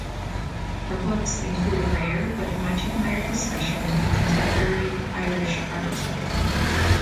Her books include a rare but much admired discussion of contemporary Irish art.